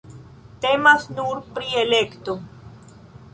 Temas nur pri elekto.